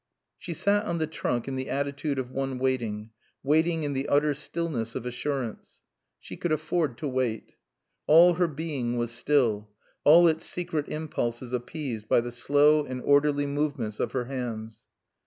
She sat on the trunk in the attitude of one waiting, waiting in the utter stillness of assurance. She could afford to wait. All her being was still, all its secret impulses appeased by the slow and orderly movements of her hands.